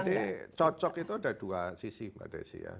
jadi cocok itu ada dua sisi pak desi ya